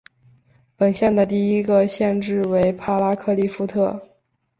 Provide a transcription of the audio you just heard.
本县的第一个县治为帕拉克利夫特。